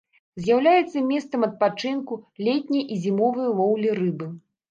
З'яўляецца месцам адпачынку, летняй і зімовай лоўлі рыбы.